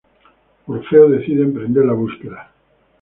Orfeo decide emprender la búsqueda.